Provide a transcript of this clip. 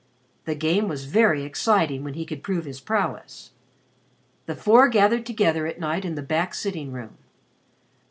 The game was very exciting when he could prove his prowess. The four gathered together at night in the back sitting room.